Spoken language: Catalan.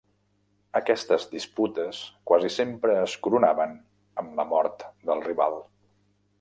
Aquestes disputes quasi sempre es coronaven amb la mort del rival.